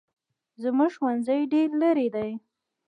زموږ ښوونځی ډېر لري دی